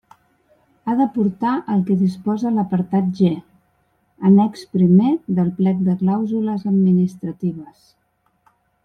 Ha d'aportar el que disposa l'apartat G, annex primer del plec de clàusules administratives.